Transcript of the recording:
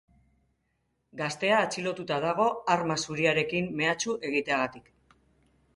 Gaztea atxilotuta dago arma zuriarekin mehatxu egiteagatik.